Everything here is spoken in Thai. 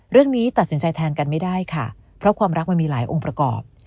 เรื่องนี้ตัดสินใจแทนกันไม่ได้ค่ะเพราะความรักมันมีหลายองค์ประกอบ